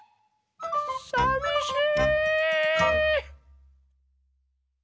さみしい。